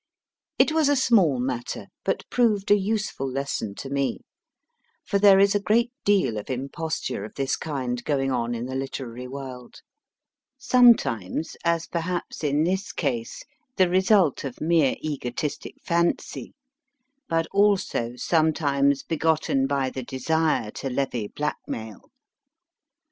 It was a small matter, but proved a useful lesson to me, for there is a great deal of imposture of this kind going on in the literary world ; sometimes, as perhaps in this case, the result of mere egotistic fancy, but also sometimes begotten by the desire to levy blackmail.